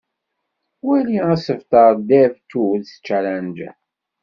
Wali asebter Dev Tools Challenger.